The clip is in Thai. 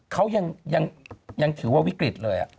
เขายังถือว่าวิกฤตเลย